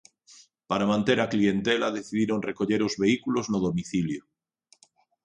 Para manter a clientela decidiron recoller os vehículos no domicilio.